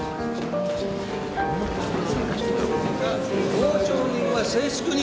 傍聴人は静粛に。